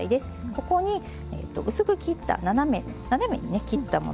ここに薄く切った斜めに切ったものですね。